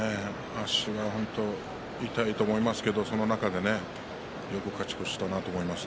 足が痛いと思いますけどその中でよく勝ち越したなと思います。